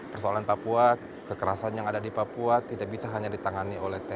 persoalan papua kekerasan yang ada di papua tidak bisa hanya ditangani oleh tni